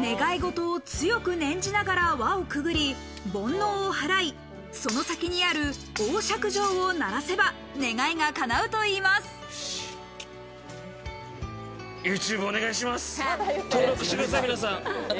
願い事を強く念じながら輪をくぐり煩悩を払いその先にある大錫杖を鳴らせば願いがかなうといいます登録してください！